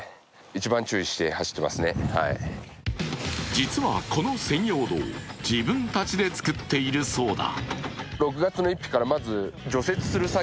実はこの専用道自分たちで作っているそうだ。